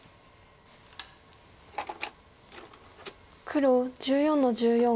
黒１４の十四。